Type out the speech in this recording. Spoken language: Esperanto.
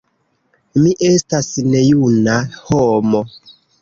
Mi estas nejuna homo.